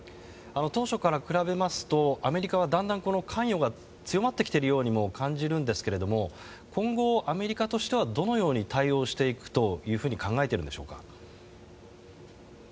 当初から比べますとアメリカはだんだんと関与が強まってきているようにも感じるんですけれども今後、アメリカとしてはどう対応していくと考えているでしょうか。